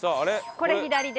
これ左です。